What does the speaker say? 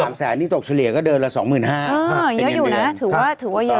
ถ้า๓แสนนี่ตกเฉลี่ยก็เดินละ๒๕๐๐๐เยอะอยู่นะถือว่าเยอะ